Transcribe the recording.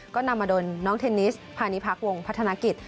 ก็นำมาโดยน้องเทนนิสพาณิพักวงพัฒนากิจ